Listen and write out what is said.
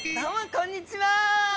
こんにちは。